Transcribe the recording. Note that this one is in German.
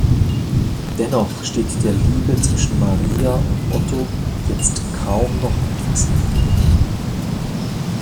Dennoch steht der Liebe zwischen Maria und Otto jetzt kaum noch etwas im Wege.